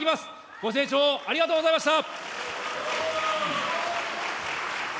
ご清聴ありがとうございました。